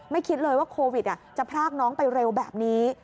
คิดเลยว่าโควิดจะพรากน้องไปเร็วแบบนี้